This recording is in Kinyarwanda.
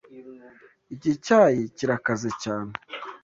Iki cyayi kirakaze cyane.